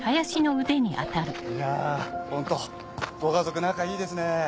いやホントご家族仲いいですね。